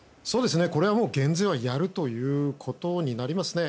これは減税はやるということになりますね。